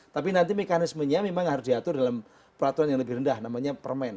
tapi nanti mekanismenya memang harus diatur dalam peraturan yang lebih rendah namanya permen